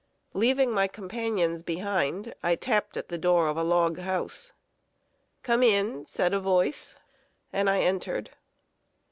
Leaving my companions behind, I tapped at the door of a log house. "Come in," said a voice; and I entered.